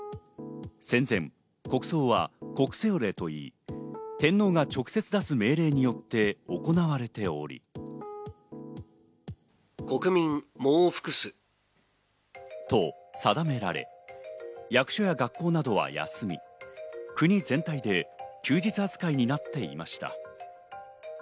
戦前、国葬は、国葬令といい、天皇が直接出す命令によって行わと定められ、役所や学校などは休み、国全体で休日扱いになっていました。